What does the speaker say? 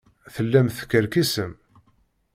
Tellam teskerkisem.